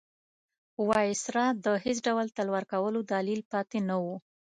وایسرا ته د هېڅ ډول تلوار کولو دلیل پاتې نه وو.